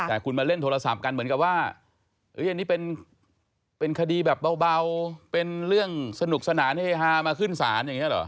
แต่คุณมาเล่นโทรศัพท์กันเหมือนกับว่าอันนี้เป็นคดีแบบเบาเป็นเรื่องสนุกสนานเฮฮามาขึ้นศาลอย่างนี้เหรอ